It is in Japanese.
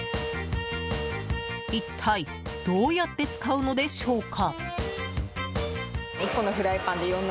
一体、どうやって使うのでしょうか？